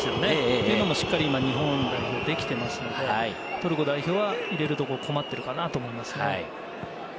というのも、しっかり今、日本ができていますので、トルコ代表は入れるところに困っているかなと思います。